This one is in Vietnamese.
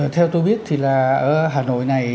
theo tôi biết thì là ở hà nội này